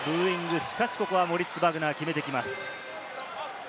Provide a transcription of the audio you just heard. ここはしっかりモリッツ・バグナー、決めてきます。